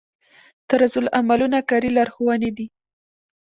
طرزالعملونه کاري لارښوونې دي